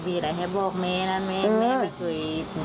มีอะไรให้บอกคุณจัดมาหว้ะเลย